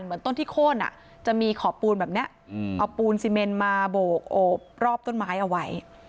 เหมือนต้นที่โค้นจะมีขอบปูนแบบนี้เอาปูนซีเมนมาโบกโอบรอบต้นไม้เอาไว้